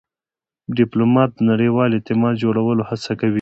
ډيپلومات د نړیوال اعتماد جوړولو هڅه کوي.